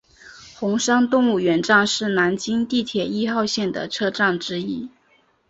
红山动物园站是南京地铁一号线的车站之一。